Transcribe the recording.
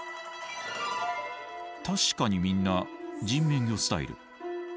確かにみんな人面魚スタイル。